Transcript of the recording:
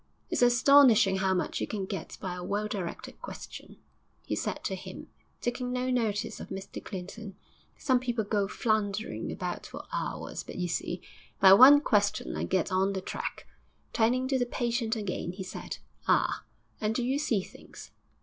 'It's astonishing how much you can get by a well directed question,' he said to him, taking no notice of Mr Clinton. 'Some people go floundering about for hours, but, you see, by one question I get on the track.' Turning to the patient again, he said, 'Ah! and do you see things?'